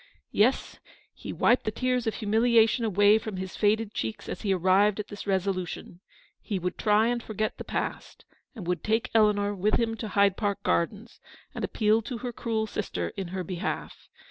Yes — he wiped the tears of humiliation away from his faded cheeks as he arrived at this resolution — he would try and forget the past, and would take Eleanor with him to Hyde Park Gardens, and appeal to her cruel sister in her behalf.